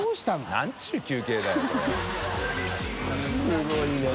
すごいね。